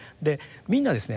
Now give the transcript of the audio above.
みんなですね